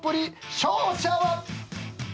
勝者は？